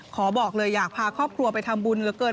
ขอบอกเลยอยากพาครอบครัวไปทำบุญเหลือเกิน